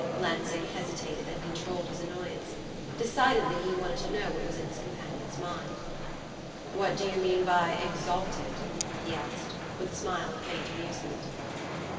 Lansing hesitated, and controlled his annoyance. Decidedly he wanted to know what was in his companion's mind. "What do you mean by exalted?" he asked, with a smile of faint amusement.